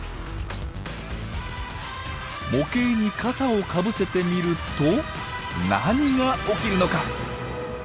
模型に傘をかぶせてみると何が起きるのか。